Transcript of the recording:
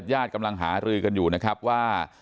ญาติกำลังหารือกันอยู่นะครับว่า